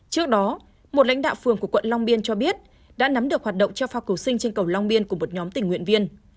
trước đó một lãnh đạo phường của quận long biên cho biết đã nắm được hoạt động cho phao cổ sinh trên cầu long biên của một nhóm tình nguyện viên